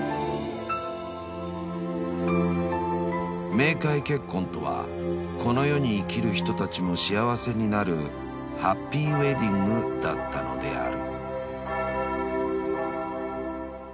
［冥界結婚とはこの世に生きる人たちも幸せになるハッピーウエディングだったのである］